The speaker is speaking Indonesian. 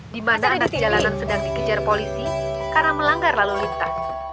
di mana atas jalanan sedang dikejar polisi karena melanggar lalu lintas